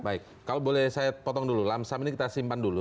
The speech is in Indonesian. baik kalau boleh saya potong dulu lamsam ini kita simpan dulu